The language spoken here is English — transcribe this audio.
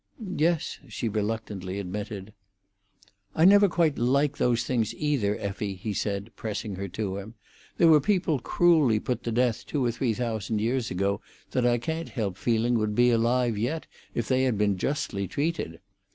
"Yes," she reluctantly admitted. "I never quite like those things, either, Effie," he said, pressing her to him. "There were people cruelly put to death two or three thousand years ago that I can't help feeling would be alive yet if they had been justly treated.